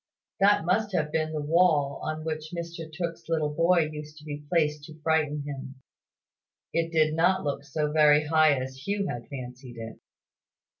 That must have been the wall on which Mr Tooke's little boy used to be placed to frighten him. It did not look so very high as Hugh had fancied it.